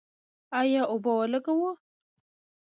آیا اوبه ولګوو؟